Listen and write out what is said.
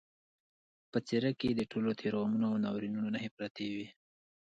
په څېره کې یې د ټولو تېرو غمونو او ناورینونو نښې پرتې وې